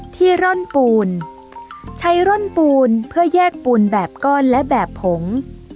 ร่อนปูนใช้ร่อนปูนเพื่อแยกปูนแบบก้อนและแบบผง